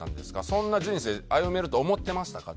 そんな人生歩めると思ってましたか？